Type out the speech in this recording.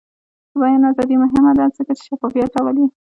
د بیان ازادي مهمه ده ځکه چې شفافیت راولي.